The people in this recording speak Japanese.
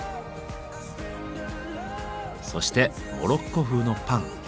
そしてモロッコ風のパン。